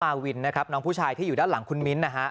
มาวินนะครับน้องผู้ชายที่อยู่ด้านหลังคุณมิ้นท์นะฮะ